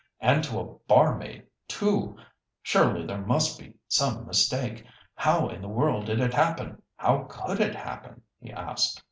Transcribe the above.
And to a barmaid too! Surely there must be some mistake. How in the world did it happen—how could it happen?" he asked.